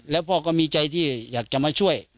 แล้วพ่อก็มีใจที่อยากจะมาช่วย